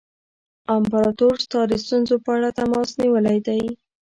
امپراطور ستا د ستونزو په اړه تماس نیولی دی.